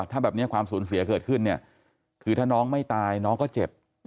ถ้าแบบนี้ความสูญเสียเกิดขึ้นเนี่ยคือถ้าน้องไม่ตายน้องก็เจ็บ